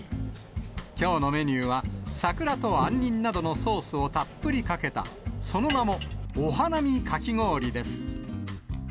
きょうのメニューは桜と杏仁などのソースをたっぷりかけた、その名もお花見かき氷です。